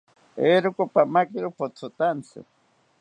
Eeroka, pamakiro pothotaantzi